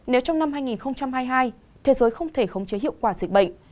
nếu trong năm hai nghìn hai mươi hai thế giới không thể khống chế hiệu quả dịch bệnh